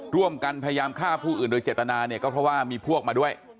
ร่วมกันพยายามฆ่าผู้อื่นโดยเจตนาเนี่ยก็เพราะว่ามีพวกมาด้วย